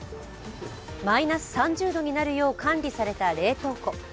マイナス３０度になるよう管理された冷凍庫。